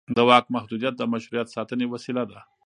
د واک محدودیت د مشروعیت ساتنې وسیله ده